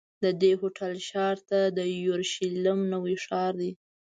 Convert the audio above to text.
د دې هوټل شاته د یورشلېم نوی ښار دی.